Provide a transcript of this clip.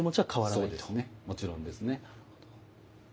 そうですねもちろんですね。